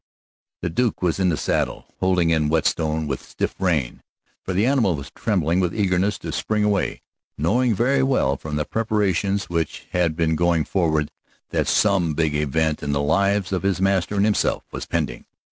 The Duke was in the saddle, holding in Whetstone with stiff rein, for the animal was trembling with eagerness to spring away, knowing very well from the preparations which had been going forward that some big event in the lives of his master and himself was pending.